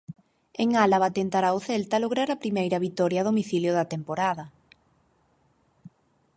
En Álava tentará o Celta lograr a primeira vitoria a domicilio da temporada.